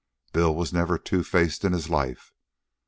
Bill was never two faced in his life.